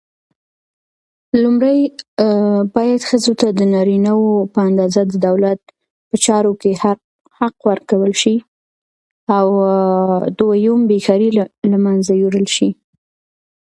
افغانستان يو هميشنۍ سولې ته اړتيا لري